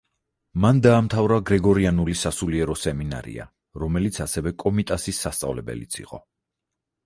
მან დაამთავრა გრიგორიანული, სასულიერო სემინარია, რომელიც ასევე კომიტასის სასწავლებელიც იყო.